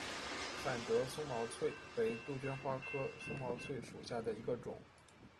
反折松毛翠为杜鹃花科松毛翠属下的一个种。